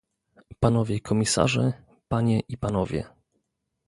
Panowie komisarze, panie i panowie